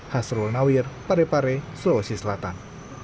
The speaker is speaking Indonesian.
hasrul nawir parepare sulawesi selatan